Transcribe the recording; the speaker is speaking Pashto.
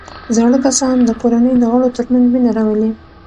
زاړه کسان د کورنۍ د غړو ترمنځ مینه راولي